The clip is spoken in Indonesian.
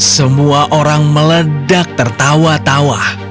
semua orang meledak tertawa tawa